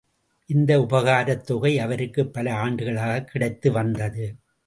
இந்த உபகாரத் தொகை அவருக்குப் பல ஆண்டுகளாகக் கிடைத்து வந்தது.